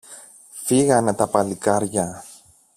φύγανε τα παλικάρια